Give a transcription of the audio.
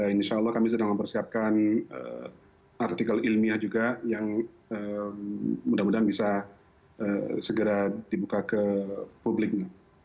insya allah kami sedang mempersiapkan artikel ilmiah juga yang mudah mudahan bisa segera dibuka ke publik